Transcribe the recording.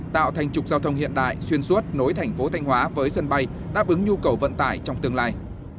tạo thành trục giao thông hiện đại xuyên suốt nối thành phố thanh hóa với sân bay đáp ứng nhu cầu vận tải trong tương lai